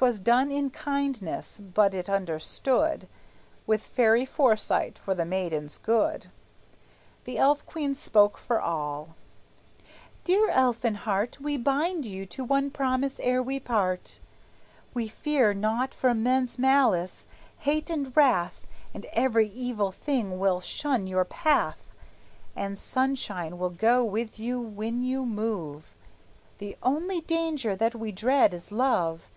'Twas done in kindness, be it understood, With fairy foresight for the maiden's good. The elf queen spoke for all: "Dear Elfinhart, We bind you to one promise ere we part. We fear naught from men's malice; hate and wrath And every evil thing will shun your path, And sunshine will go with you when you move; The only danger that we dread is love.